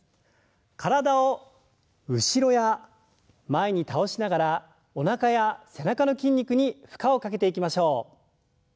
体を後ろや前に倒しながらおなかや背中の筋肉に負荷をかけていきましょう。